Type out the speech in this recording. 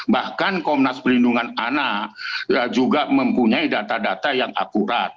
bahkan komnas perlindungan anak juga mempunyai data data yang akurat